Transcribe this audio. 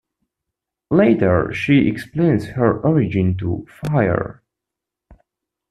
Later, she explains her origin to Fire.